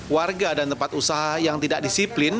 warga dan tempat usaha yang tidak disiplin